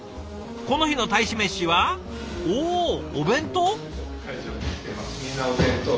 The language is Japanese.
この日の大使メシはおお弁当？